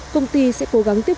công ty sẽ cố gắng cấp điện